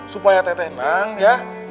supaya teteh tenang ya